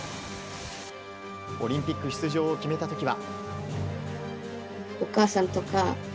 オリンピック出場を決めた時は。